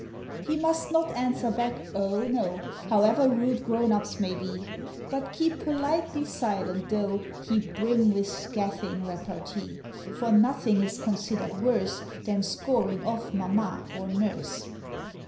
He must not answer back, oh no! However rude grown ups may be, But keep politely silent, tho' He brim with scathing repartee; For nothing is considered worse Than scoring off Mamma or Nurse.